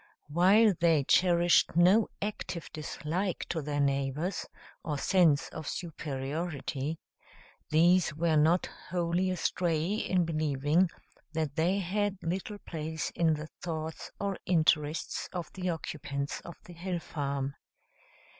While they cherished no active dislike to their neighbors, or sense of superiority, these were not wholly astray in believing that they had little place in the thoughts or interests of the occupants of the hill farm.